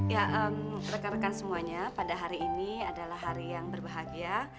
ya rekan rekan semuanya pada hari ini adalah hari yang berbahagia